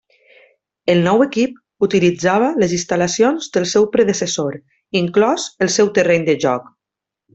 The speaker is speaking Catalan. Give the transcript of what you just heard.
El nou equip utilitzava les instal·lacions del seu predecessor, inclòs el seu terreny de joc.